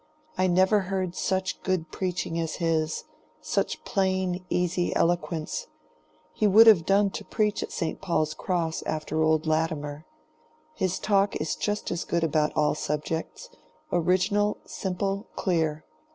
I never heard such good preaching as his—such plain, easy eloquence. He would have done to preach at St. Paul's Cross after old Latimer. His talk is just as good about all subjects: original, simple, clear.